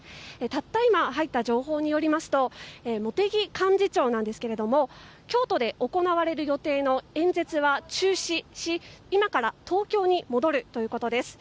たった今入った情報によりますと茂木幹事長ですが京都で行われる予定の演説は中止し今から東京に戻るということです。